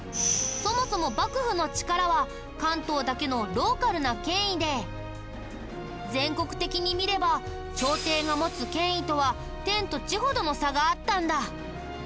そもそも幕府の力は関東だけのローカルな権威で全国的に見れば朝廷が持つ権威とは天と地ほどの差があったんだ。